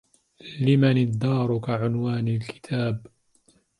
لمن الدار كعنوان الكتاب